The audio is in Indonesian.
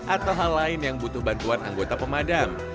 atau hal lain yang butuh bantuan anggota pemadam